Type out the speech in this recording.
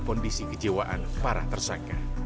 kondisi kejewaan para tersangka